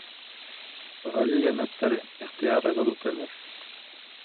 — Ғали йәнәптәре, ихтыярығыҙ үтәлер.